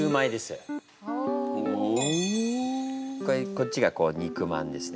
こっちが肉まんですね。